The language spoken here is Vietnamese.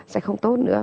sẽ không tốt nữa